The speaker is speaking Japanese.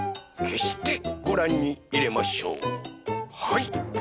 はい。